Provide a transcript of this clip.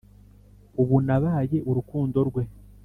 ubu nabaye urukundo rwe